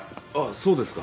そうですか。